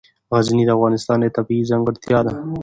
غزني د افغانستان یوه طبیعي ځانګړتیا ده.